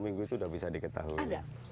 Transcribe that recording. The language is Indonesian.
minggu itu sudah bisa diketahui